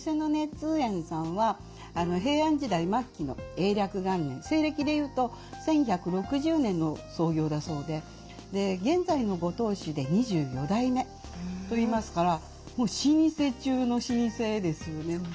通圓さんは平安時代末期の永暦元年西暦でいうと１１６０年の創業だそうで現在のご当主で２４代目と言いますからもう老舗中の老舗ですよね。